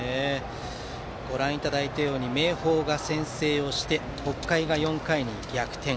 ご覧いただいたように明豊が先制して北海が４回に逆転。